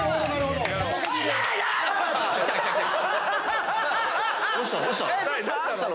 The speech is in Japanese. どうしたの？